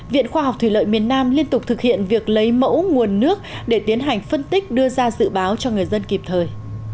viện khoa học thủy lợi miền nam liên tục thực hiện việc lấy mẫu nguồn nước để tiến hành phân tích đưa ra dự báo cho người dân kịp thời